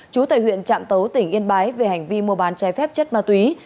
chú tại huyện trạm tấu tỉnh yên bái về hành vi mua bán trái phép chất ma túy